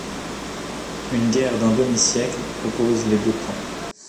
Une guerre d'un demi-siècle oppose les deux camps.